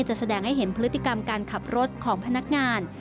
แสดงให้เห็นพฤติกรรมการขับรถของพนักงาน